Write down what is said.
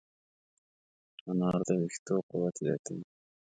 انار د ویښتو قوت زیاتوي.